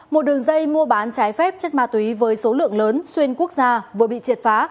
một đường dây mua bán trái phép chất ma túy với số lượng lớn xuyên quốc gia vừa bị triệt phá